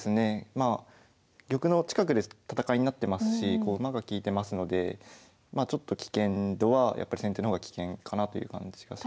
まあ玉の近くで戦いになってますし馬が利いてますのでちょっと危険度は先手の方が危険かなという感じがしますね。